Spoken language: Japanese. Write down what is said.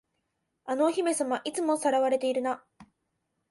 あのお姫様、いつも掠われてるな。